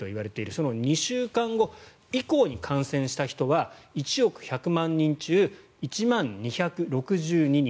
その２週間後以降に感染した人は１億１００万人中１万２６２人。